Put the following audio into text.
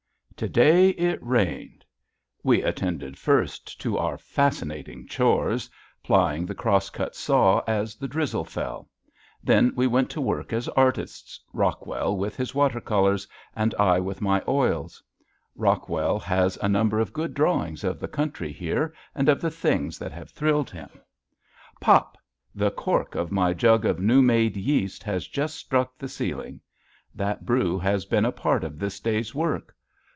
To day it rained! We attended first to our fascinating chores, plying the cross cut saw as the drizzle fell. Then we went to work as artists, Rockwell with his water colors and I with my oils. Rockwell has a number of good drawings of the country here and of the things that have thrilled him. Pop! The cork of my jug of new made yeast has just struck the ceiling. That brew has been a part of this day's work.